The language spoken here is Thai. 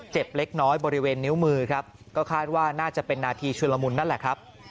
เล็กน้อยบริเวณนิ้วมือครับก็คาดว่าน่าจะเป็นนาทีชุลมุนนั่นแหละครับ